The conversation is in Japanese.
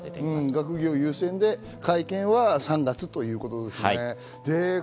学業優先で会見は３月ということですね。